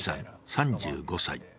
３５歳。